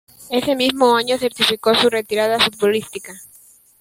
Ese mismo año certificó su retirada futbolística.